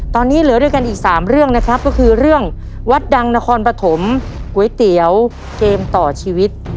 ตอนนี้เหลือด้วยกันอีก๓เรื่องนะครับก็คือเรื่องวัดดังนครปฐมก๋วยเตี๋ยวเกมต่อชีวิต